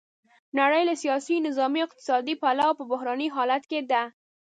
نړۍ له سیاسي، نظامي او اقتصادي پلوه په بحراني حالت کې ده.